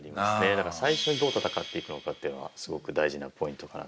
だから最初にどう戦っていくのかっていうのはすごく大事なポイントかなと。